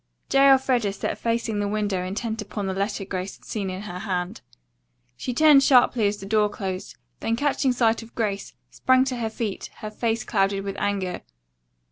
J. Elfreda sat facing the window intent upon the letter Grace had seen in her hand. She turned sharply as the door closed, then catching sight of Grace, sprang to her feet, her face clouded with anger.